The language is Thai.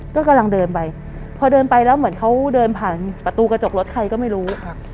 ก็กำลังเดินไปพอเดินไปแล้วเหมือนเขาเดินผ่านประตูกระจกรถใครก็ไม่รู้